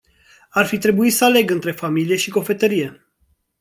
Ar fi trebuit să aleg între familie și cofetărie.